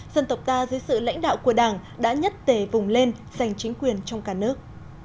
dân tộc ta dưới sự lãnh đạo của đảng đã nhất tể vùng lên giành chính quyền trong cả nước